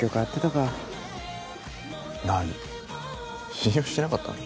信用してなかったの？